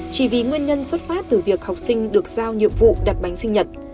chỉ vì nguyên nhân xuất phát từ việc học sinh được giao nhiệm vụ đặt bánh sinh nhật